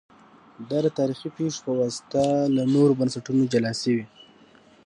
دا د تاریخي پېښو په واسطه له نورو بنسټونو جلا شوي